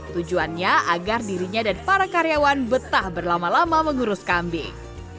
tujuannya agar dirinya dan para karyawan betah berlama lama mengurus kambing